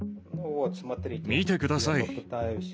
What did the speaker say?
見てください。